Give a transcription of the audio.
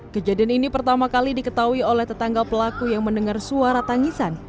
kejadian ini pertama kali diketahui oleh tetangga pelaku yang mendengar suara tangisan